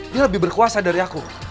dia lebih berkuasa dari aku